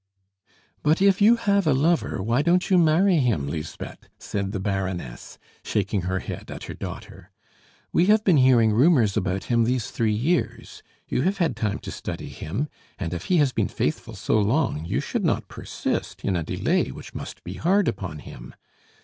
"But if you have a lover, why don't you marry him, Lisbeth?" said the Baroness, shaking her head at her daughter. "We have been hearing rumors about him these three years. You have had time to study him; and if he has been faithful so long, you should not persist in a delay which must be hard upon him.